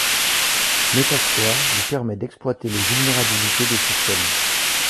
Metasploit lui permet d’exploiter les vulnérabilités des systèmes.